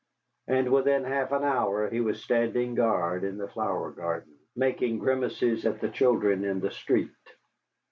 And within half an hour he was standing guard in the flower garden, making grimaces at the children in the street.